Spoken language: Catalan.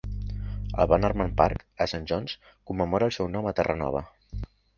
El Bannerman Park a Saint John's commemora el seu nom a Terranova.